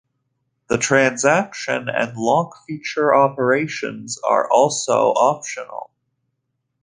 The Transaction and LockFeature operations are also optional.